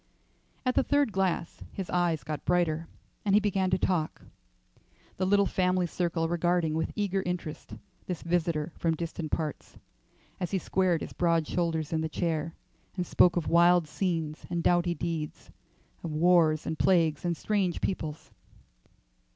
At the third glass his eyes got brighter, and he began to talk, the little family circle regarding with eager interest this visitor from distant parts, as he squared his broad shoulders in the chair and spoke of wild scenes and doughty deeds; of wars and plagues and strange peoples.